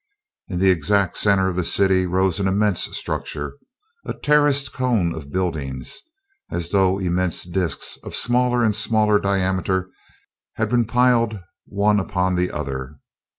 In the exact center of the city rose an immense structure, a terraced cone of buildings, as though immense disks of smaller and smaller diameter had been piled one upon the other.